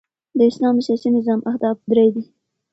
د اسلام د سیاسي نظام اهداف درې دي.